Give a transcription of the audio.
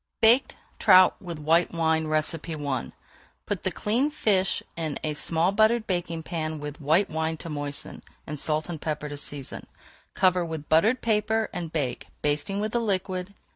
BAKED TROUT WITH WHITE WINE I Put the cleaned fish in a small buttered baking pan with white wine to moisten, and salt and pepper to season. Cover with buttered paper and bake, basting with the liquid.